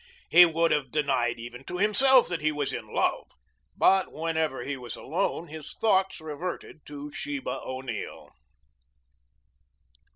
He would have denied even to himself that he was in love, but whenever he was alone his thoughts reverted to Sheba O'Neill.